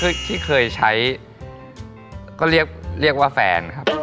ที่เคยใช้ก็เรียกว่าแฟนครับ